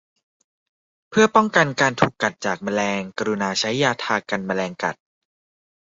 เพื่อป้องกันการถูกกัดจากแมลง กรุณาใช้ยาทากันแมลงกัด